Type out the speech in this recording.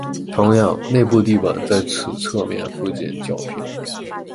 同样，内部地板在此侧面附近较平。